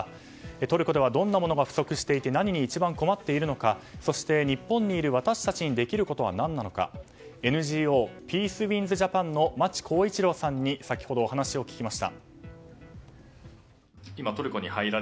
トルコではどんなものが不足していて何に一番困っているかそして日本にいる私たちにできることは何かＮＧＯピースウィンズ・ジャパンの町浩一郎さんに先ほどお話を聞きました。